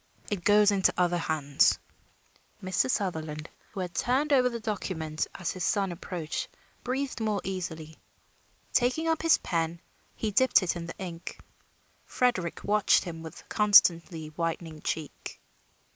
"It goes into other hands." Mr. Sutherland, who had turned over the document as his son approached, breathed more easily. Taking up his pen, he dipped it in the ink. Frederick watched him with constantly whitening cheek.